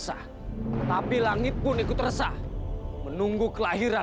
sampai jumpa di video selanjutnya